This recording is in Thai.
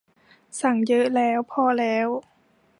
สั่งเยอะแล้ว พอแล้ว